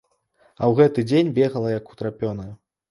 А ў гэты дзень бегала як утрапёная.